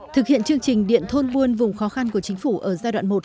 thực hiện chương trình điện thôn buôn vùng khó khăn của chính phủ ở giai đoạn một